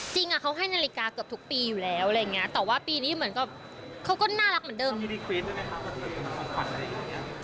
จริงล่ะเขาให้นาฬิกาเกือบทุกปีอยู่แล้วแต่ว่าปีนี้เหมือนก็เขาก็น่ารักเหมือนเดิม